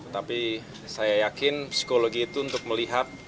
tapi saya yakin psikologi itu untuk melihat kejadian